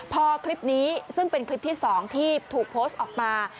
พอคลิปนี้ซึ่งเป็นคลิปที่๒ที่ถูกโพสต์ออกมา